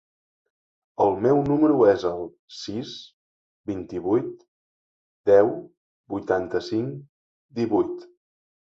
El meu número es el sis, vint-i-vuit, deu, vuitanta-cinc, divuit.